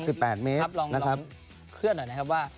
อันนี้ลองเคลื่อนหน่อยนะครับว่า